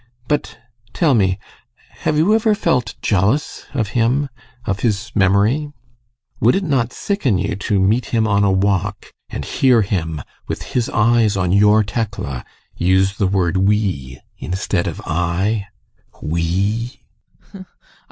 But tell me: have you ever felt jealous of him of his memory? Would it not sicken you to meet him on a walk and hear him, with his eyes on your Tekla, use the word "we" instead of "I"? We!